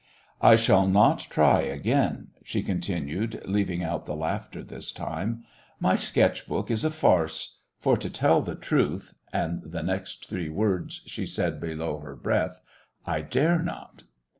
"I shall not try again," she continued, leaving out the laughter this time; "my sketch book is a farce. For, to tell the truth" and the next three words she said below her breath "I dare not."